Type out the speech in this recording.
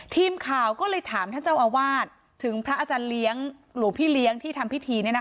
ทีมข่าวก็เลยถามท่านเจ้าอาวาสถึงพระอาจารย์เลี้ยงหลวงพี่เลี้ยงที่ทำพิธี